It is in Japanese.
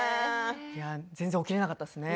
全然、起きられなかったですね。